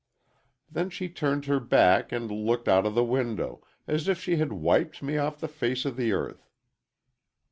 Then she turned her back and looked out of the window, as if she had wiped me off the face of the earth!"